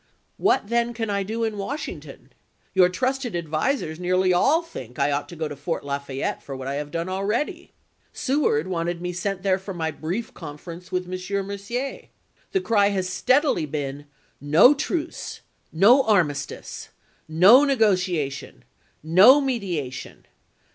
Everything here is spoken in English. What, then, can I do in "Washington ? Your trusted advisers nearly all think I ought to go to Fort Lafayette for what I have done already. Seward wanted me sent there for my brief conference with M. Mercier. The cry has steadily been, No truce ! No armistice ! No negotia tion ! No mediation